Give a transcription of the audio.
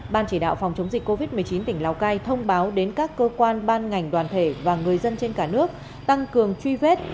ban chỉ đạo phòng chống dịch covid một mươi chín tỉnh lào cai thông báo đến các cơ quan ban ngành đoàn thể và người dân trên cả nước tăng cường truy vết